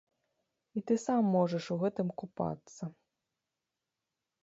І ты сам можаш у гэтым купацца.